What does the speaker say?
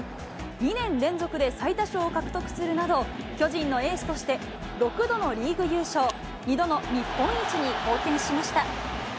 ２年連続で最多勝を獲得するなど、巨人のエースとして６度のリーグ優勝、２度の日本一に貢献しました。